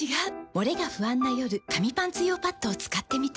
モレが不安な夜紙パンツ用パッドを使ってみた。